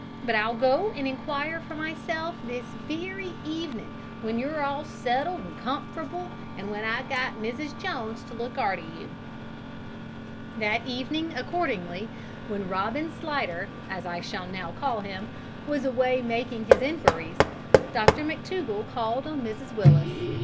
But I'll go and inquire for myself this wery evenin' w'en you're all settled an comf'rable, an' w'en I've got Mrs Jones to look arter you." That evening, accordingly, when Robin Slidder as I shall now call him was away making his inquiries, Dr McTougall called on Mrs Willis.